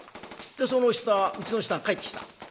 その人がうちの人が帰ってきた。